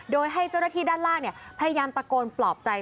โดยให้เจ้าหน้าที่ด้านล่างพยายามตะโกนปลอบใจ